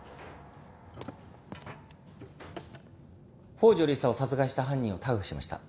宝城理沙を殺害した犯人を逮捕しました。